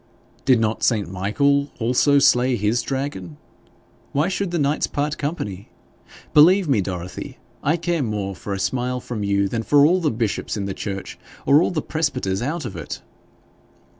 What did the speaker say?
'Did not St. Michael also slay his dragon? Why should the knights part company? Believe me, Dorothy, I care more for a smile from you than for all the bishops in the church, or all the presbyters out of it.'